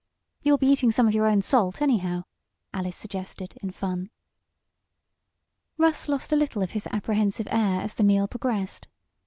"You'll be eating some of your own salt, anyhow," Alice suggested, in fun. Russ lost a little of his apprehensive air as the meal progressed.